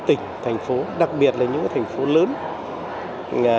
thành phố đặc biệt là những thành phố lớn